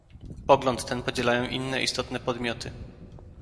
Pogląd ten podzielają inne istotne podmioty